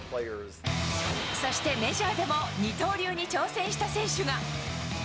そして、メジャーでも二刀流に挑戦した選手が。